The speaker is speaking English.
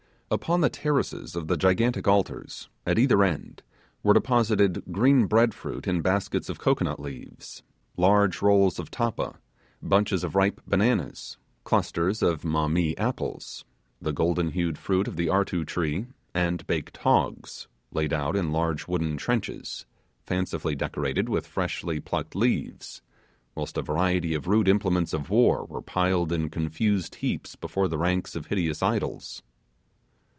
Upon the terraces of the gigantic altars, at each end, were deposited green bread fruit in baskets of cocoanut leaves, large rolls of tappa, bunches of ripe bananas, clusters of mammee apples, the golden hued fruit of the artu tree, and baked hogs, laid out in large wooden trenchers, fancifully decorated with freshly plucked leaves, whilst a variety of rude implements of war were piled in confused heaps before the ranks of hideous idols.